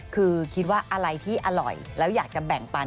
คือคิดว่าอะไรที่อร่อยแล้วอยากจะแบ่งปัน